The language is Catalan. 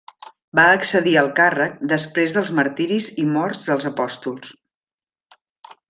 Va accedir al càrrec després dels martiris i morts dels apòstols.